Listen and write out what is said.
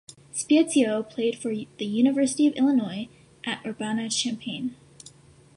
Spiezio played for the University of Illinois at Urbana-Champaign.